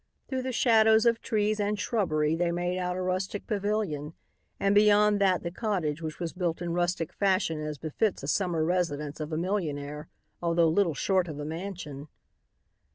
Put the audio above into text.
Through the shadows of trees and shrubbery they made out a rustic pavilion and beyond that the cottage which was built in rustic fashion as befits a summer residence of a millionaire, although little short of a mansion.